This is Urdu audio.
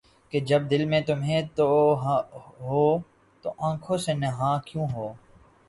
کہ جب دل میں تمھیں تم ہو‘ تو آنکھوں سے نہاں کیوں ہو؟